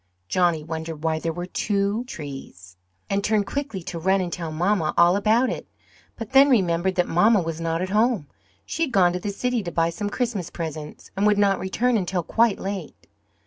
Johnny wondered why there were TWO trees, and turned quickly to run and tell mamma all about it; but then remembered that mamma was not at home. She had gone to the city to buy some Christmas presents and would not return until quite late.